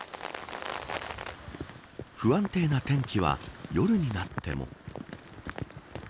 不安定な天気は夜になっても。